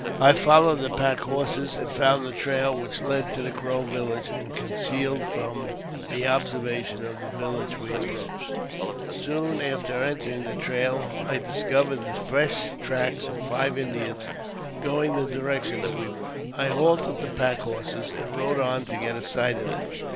I followed the pack ; horses, and found a trail which led to the Crow village, andsl concealed from the observation of the village we had ap ■" proached. Soon after entering the trail, I discovered the fresh tracks of five Indians, going the direction that we were, I halted the pack horses, and rode on to get a sight of them.